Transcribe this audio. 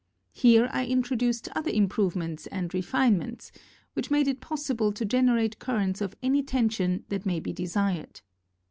Here I introduced other improvements and re finements which made it possible to gener ate currents of any tension that may be desired.